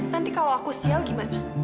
nanti kalau aku sial gimana